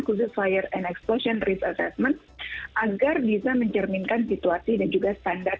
khusus fire and explosion risk assessment agar bisa mencerminkan situasi dan juga standar